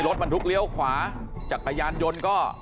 รถบรรทุกเลี้ยวขวาจักรยานยนต์ก็